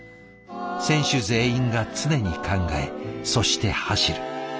選手全員が常に考えそして走る。